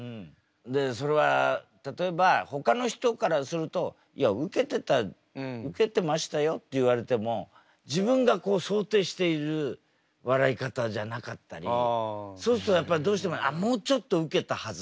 でそれは例えばほかの人からすると「いやウケてた」「ウケてましたよ」って言われても自分が想定している笑い方じゃなかったりそうするとやっぱりどうしても「ああもうちょっとウケたはず」とか。